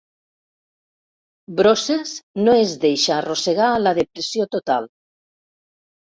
Brosses no es deixa arrossegar a la depressió total.